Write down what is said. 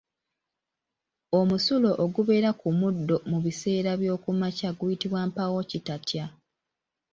Omusulo ogubeera ku muddo mu biseera by'okumakya guyitibwa Mpaawokitatya.